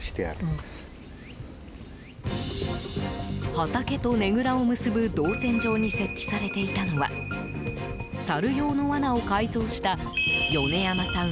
畑とねぐらを結ぶ動線上に設置されていたのはサル用の罠を改造した米山さん